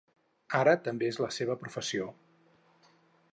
Ara també és la seva professió.